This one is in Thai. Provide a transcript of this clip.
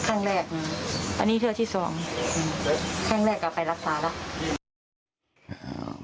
ครั้งแรกอืมอันนี้เทือกที่สองอืมครั้งแรกเอาไปรักษาแล้ว